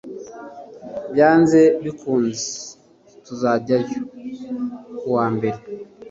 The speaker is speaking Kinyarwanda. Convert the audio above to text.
byanze bikunze tuzajyayo kuwambere